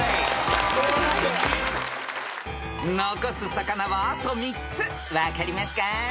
［残す魚はあと３つ分かりますか？］